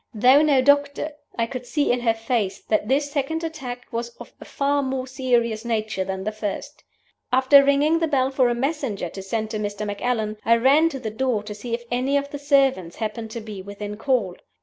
Though no doctor, I could see in her face that this second attack was of a far more serious nature than the first. After ringing the bell for a messenger to send to Mr. Macallan, I ran to the door to see if any of the servants happened to be within call.